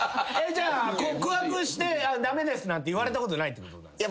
告白して「駄目です」なんて言われたことないってことですね。